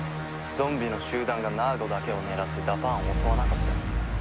ゾンビの集団がナーゴだけを狙ってダパーンを襲わなかった。